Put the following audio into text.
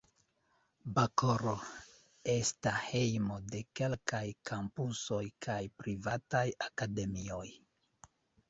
Bakoro esta hejmo de kelkaj kampusoj kaj privataj akademioj.